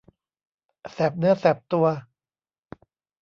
แสบเนื้อแสบตัว